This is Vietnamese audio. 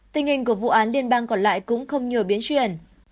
tình hình của vụ án liên bang còn lại cũng không nhiều biến chuyển